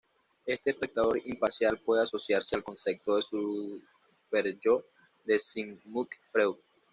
Este espectador imparcial puede asociarse al concepto de superyó, de Sigmund Freud.